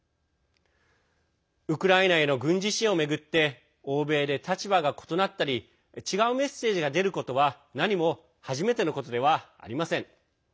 ウクライナへの軍事支援を巡って欧米で立場が異なったり違うメッセージが出ることは何も初めてのことではありません。